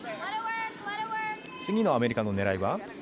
次のアメリカの狙いは？